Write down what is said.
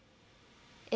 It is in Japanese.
え